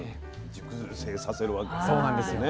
熟成させるわけですね。